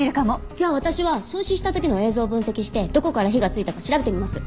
じゃあ私は焼死した時の映像を分析してどこから火がついたか調べてみます。